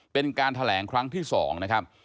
เป็นการแถลงครั้งที่๒นะครับ